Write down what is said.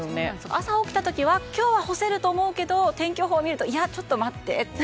朝起きた時は今日、干せると思うけど天気予報を見るといや待ってって。